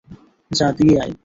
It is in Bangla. যা দিয়ে আয়।